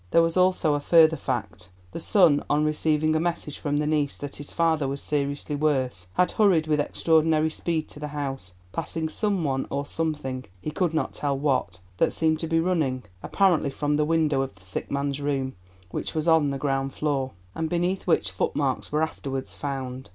There was also a further fact. The son, on receiving a message from the niece that his father was seriously worse, had hurried with extraordinary speed to the house, passing some one or something—he could not tell what—that seemed to be running, apparently from the window of the sick man's room, which was on the ground floor, and beneath which footmarks were afterwards found.